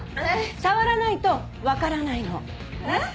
触らないと分からないのねっ。